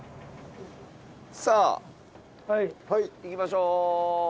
さあ行きましょう！